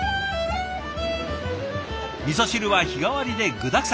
味汁は日替わりで具だくさん。